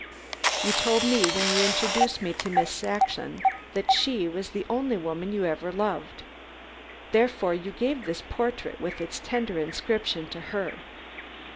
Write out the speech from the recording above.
You told me when you introduced me to Miss Saxon that she was the only woman you ever loved. Therefore you gave this portrait with its tender inscription to her."